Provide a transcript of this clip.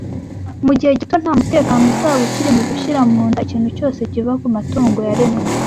Mu gihe gito, nta mutekano uzaba ukiri mu gushyira mu nda ikintu cyose kiva ku matungo yaremwe